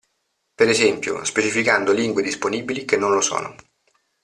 Per esempio, specificando lingue disponibili che non lo sono.